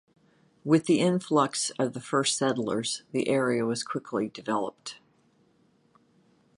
With the influx of the first settlers, the area was quickly developed.